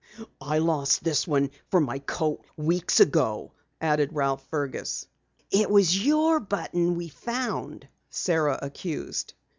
"I lost this one from my coat weeks ago," added Ralph Fergus. "It was your button we found," Sara accused.